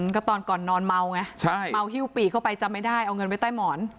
ก็ตอนก่อนนอนเมาไงเมาฮิ้วปีกเข้าไปจำไม่ได้เอาเงินไว้ใต้หมอน